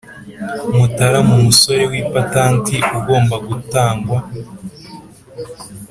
Mutarama umusoro w ipatanti ugomba gutangwa